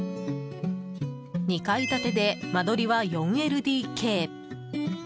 ２階建てで、間取りは４ＬＤＫ。